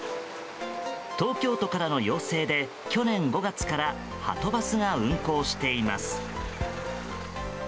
東京都からの要請で去年５月からはとバスが運行しています。